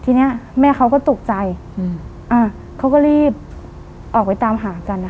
เนี้ยแม่เขาก็ตกใจอืมอ่าเขาก็รีบออกไปตามหากันนะคะ